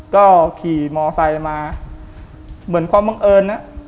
ก็ขี่มอไซค์มาเหมือนความบังเอิญนะ